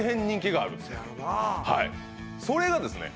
はいそれがですね